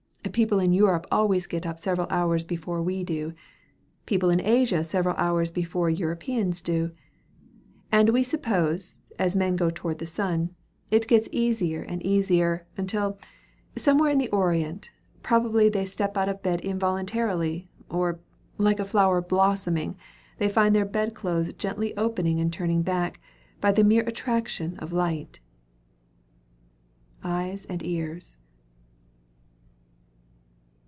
People in Europe always get up several hours before we do; people in Asia several hours before Europeans do; and we suppose, as men go toward the sun, it gets easier and easier, until, somewhere in the Orient, probably they step out of bed involuntarily, or, like a flower blossoming, they find their bed clothes gently opening and turning back, by the mere attraction of light. 'EYES AND EARS.'